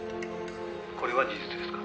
これは事実ですか？」